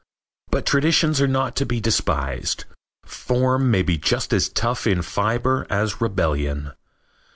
But traditions are not to be despised. Form may be just as tough in fiber as rebellion.